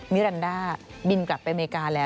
มิรันดาบินกลับไปอเมริกาแล้ว